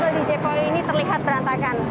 kondisi kantor djpo ini terlihat berantakan